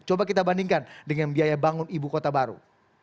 coba kita bandingkan dengan biaya bangun ibu kota baru